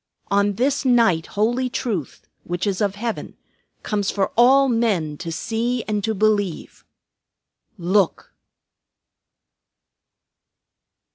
On this night holy Truth, which is of Heaven, comes for all men to see and to believe. Look!"